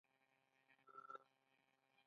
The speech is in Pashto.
آیا دا د دواړو هیوادونو ترمنځ ستونزه نه ده؟